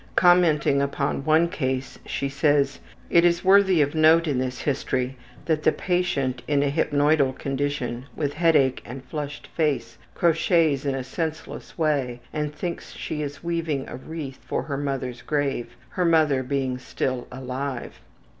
Commenting upon one case she says: It is worthy of note in this history that the patient in a hypnoidal condition, with headache and flushed face, crochets in a senseless way and thinks she is weaving a wreath for her mother's grave, her mother being still alive.